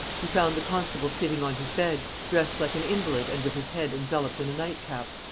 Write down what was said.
He found the constable sitting on his bed, dressed like an invalid and with his head enveloped in a night cap.